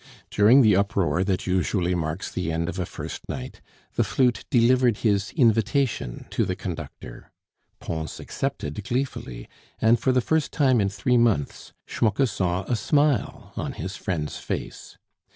During the uproar that usually marks the end of a first night, the flute delivered his invitation to the conductor. Pons accepted gleefully; and, for the first time in three months, Schmucke saw a smile on his friend's face.